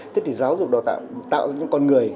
thế thì giáo dục đào tạo tạo ra những con người